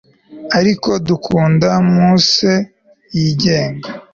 ariko dukunda muse yigenga